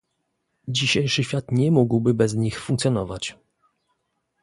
Dzisiejszy świat nie mógłby bez nich funkcjonować